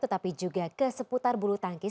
tetapi juga ke seputar bulu tangkis